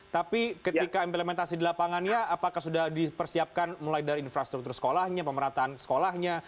tapi ketika implementasi di lapangannya apakah sudah dipersiapkan mulai dari infrastruktur sekolahnya pemerataan sekolahnya